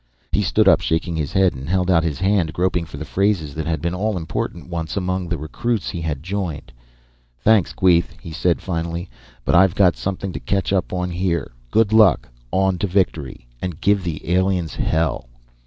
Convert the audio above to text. He stood up, shaking his head, and held out his hand, groping for the phrases that had been all important once among the recruits he had joined. "Thanks, Queeth," he said finally. "But I've got something to catch up on here. Good luck on to victory and give the aliens hell!"